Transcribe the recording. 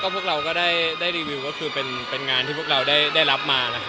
พวกเราได้รีวิวมันคืองานที่ได้รับมา